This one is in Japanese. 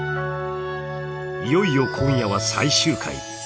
いよいよ今夜は最終回。